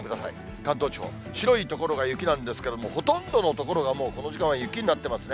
関東地方、白い所が雪なんですけども、ほとんどの所がもうこの時間は雪になってますね。